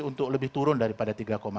untuk lebih turun daripada tiga empat